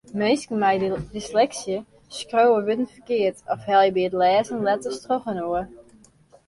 Minsken mei dysleksy skriuwe wurden ferkeard of helje by it lêzen letters trochinoar.